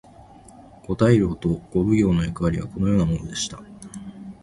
五大老と五奉行の役割はこのようなものでした。